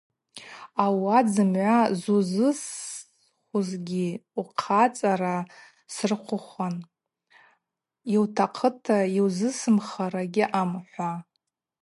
Ауат зымгӏва зузысхузгьи ухъацӏара сырхъвыхуан, йутахъыта йузысымхара гьаъам – хӏва.